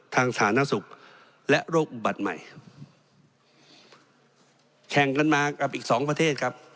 สาธารณสุขและโรคอุบัติใหม่แข่งกันมากับอีกสองประเทศครับ